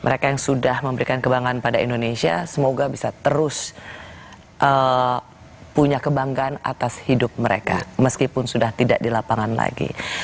mereka yang sudah memberikan kebanggaan pada indonesia semoga bisa terus punya kebanggaan atas hidup mereka meskipun sudah tidak di lapangan lagi